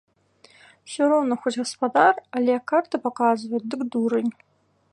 Усё роўна, хоць гаспадар, але, як карты паказваюць, дык дурань!